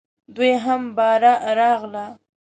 دوی هم باره راغله .